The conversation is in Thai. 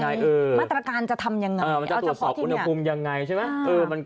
มาตรการจะทำยังไงมันจะตรวจสอบอุณหภูมิยังไงใช่ไหม